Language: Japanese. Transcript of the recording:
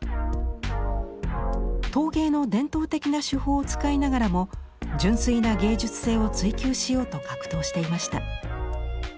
陶芸の伝統的な手法を使いながらも純粋な芸術性を追求しようと格闘していました。